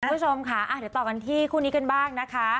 คุณผู้ชมค่ะเดี๋ยวต่อกันที่คู่นี้กันบ้างนะคะ